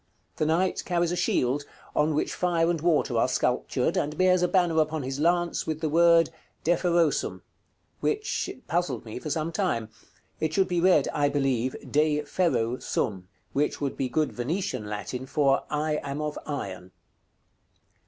The knight carries a shield, on which fire and water are sculptured, and bears a banner upon his lance, with the word "DEFEROSUM," which puzzled me for some time. It should be read, I believe, "De ferro sum;" which would be good Venetian Latin for "I am of iron."